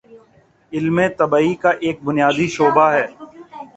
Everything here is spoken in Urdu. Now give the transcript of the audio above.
علم طبیعی کا ایک بنیادی شعبہ ہے